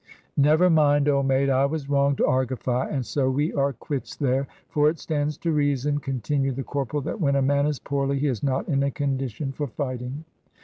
"Never mind, old mate, I was wrong to argify, and so we are quits there. For it stands to reason," continued the corporal, "that when a man is poorly, he is not in a condition for fighting."